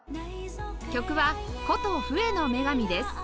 曲は『古都フエの女神』です